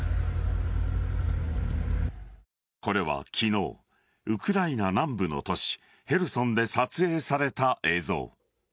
これは昨日ウクライナ南部の都市ヘルソンで撮影された映像。